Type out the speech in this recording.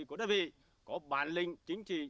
của đất vị có bản linh chính trị